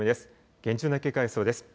厳重な警戒が必要です。